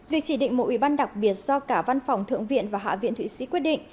việc chỉ định một ủy ban đặc biệt do cả văn phòng thượng viện và hạ viện thụy sĩ quyết định